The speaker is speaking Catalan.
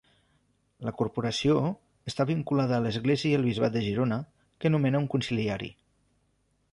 La corporació està vinculada a l'Església i al Bisbat de Girona, que nomena un consiliari.